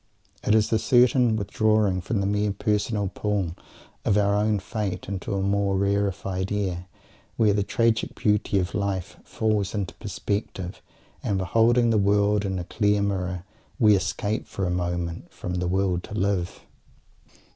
It is a certain withdrawing from the mere personal pull of our own fate into a more rarified air, where the tragic beauty of life falls into perspective, and, beholding the world in a clear mirror, we escape for a moment from "the will to live."